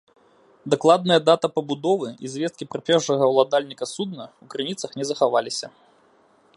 Дакладная дата пабудовы і звесткі пра першага ўладальніка судна ў крыніцах не захаваліся.